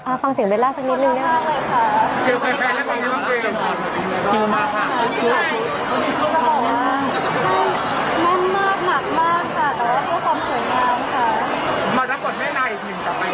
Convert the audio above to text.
อ่าฟังเสียงเบนร่าสักนิดหนึ่งได้ไหม